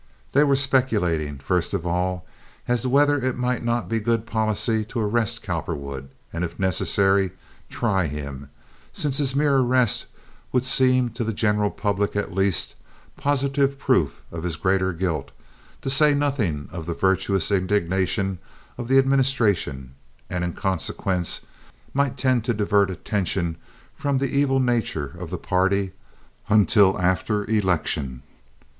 They were speculating, first of all, as to whether it might not be good policy to arrest Cowperwood, and if necessary try him, since his mere arrest would seem to the general public, at least, positive proof of his greater guilt, to say nothing of the virtuous indignation of the administration, and in consequence might tend to divert attention from the evil nature of the party until after election.